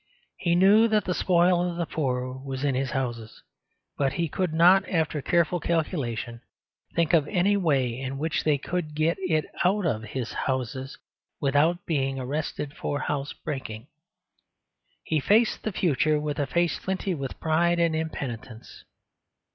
He knew that the spoil of the poor was in his houses; but he could not, after careful calculation, think of any way in which they could get it out of his houses without being arrested for housebreaking. He faced the future with a face flinty with pride and impenitence.